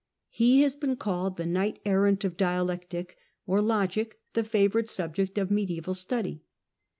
He has been called "the knight errant of dialetic," or logic, the favourite subject of mediaeval study.